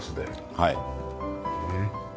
はい。